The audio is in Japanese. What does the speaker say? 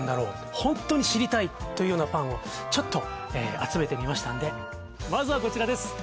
ホントに知りたいというようなパンをちょっと集めてみましたんでまずはこちらです